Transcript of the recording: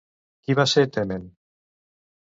Qui va ser Temen?